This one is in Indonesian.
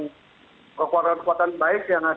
kekuatan kekuatan baik yang asli yang baik yang baik